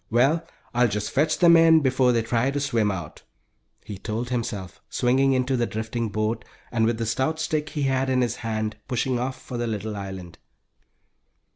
Well, I'll just fetch them in before they try to swim out," he told himself, swinging into the drifting boat, and with the stout stick he had in his hand, pushing off for the little island.